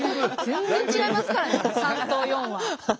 全然違いますからね３と４は。